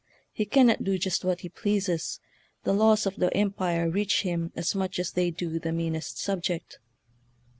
He cannot do just what he pleases. The laws of the em pire reach him as much as they do the meanest subject."